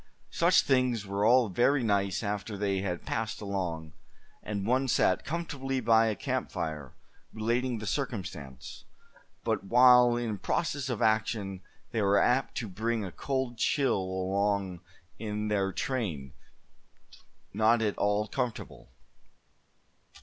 Such things were all very nice after they had passed along, and one sat comfortably by a camp fire, relating the circumstance; but while in process of action they were apt to bring a cold chill along in their train, not at all comfortable.